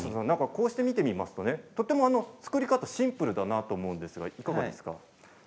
こうして見てみますと作り方もシンプルだなと思うんですけれどいかがですか。